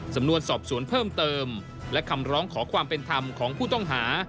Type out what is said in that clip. สำนวนสอบสวนเพิ่มเติมและคำร้องขอความเป็นธรรมของผู้ต้องหา